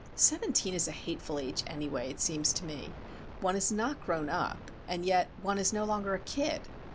Seventeen is a hateful age anyway, it seems to me. One is not grown up, and yet one is no longer a kid.